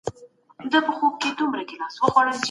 د وخت ضايع کول ښه نه دي.